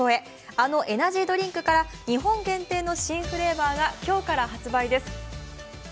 あのエナジードリンクから日本限定の新フレーバーが今日から発売です。